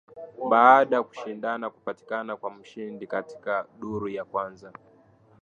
baada kushindana kupatikana kwa mshindi katika duru ya kwanza